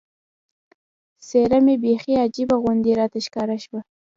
څېره مې بیخي عجیبه غوندې راته ښکاره شوه.